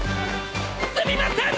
すみません！